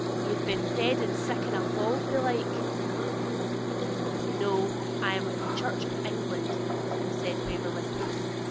Ye've been fed in siccan a fauld, belike?' 'No; I am of the Church of England,' said Waverley.